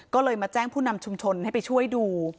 ก็เลยมาแจ้งผู้นำชุมชนให้ไปช่วยดู